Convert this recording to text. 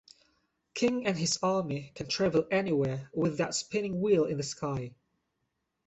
King and his army can travel anywhere with that spinning wheel in the sky.